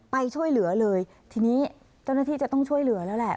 ไปช่วยเหลือเลยทีนี้เจ้าหน้าที่จะต้องช่วยเหลือแล้วแหละ